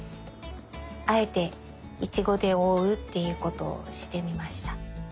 あえてイチゴでおおうっていうことをしてみました。